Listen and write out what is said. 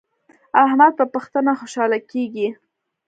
احمد په پښتنه خوشحاله کیږي.